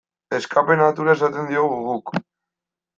Escape-natura esaten diogu guk.